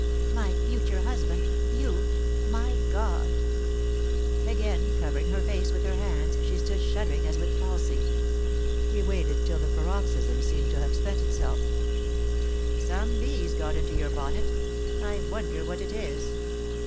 " My future husband I You 1 My God I " Again covering her face with her hands she stood shuddering as with palsy. He waited till the paroxysm seemed to have spent itself " Some bee's got into your bonnet ; I wonder what it is.